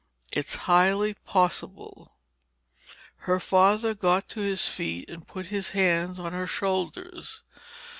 "It is highly possible." Her father got to his feet and put his hands on her shoulders.